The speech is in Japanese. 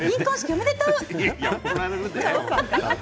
おめでとう。